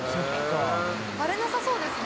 バレなさそうですね。